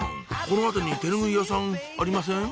この辺りに手拭い屋さんありません？